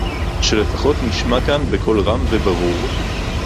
שלפחות נשמע כאן בקול רם וברור